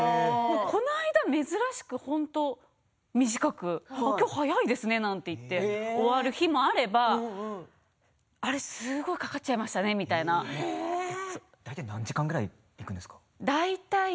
この間、珍しく短く今日、早いですねなんて言って終わる日もあればすごくかかっちゃいいましたねなんて。大体何時間ぐらいなんですか？